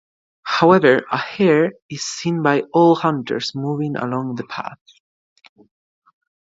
However, a hare is seen by all hunters moving along the path.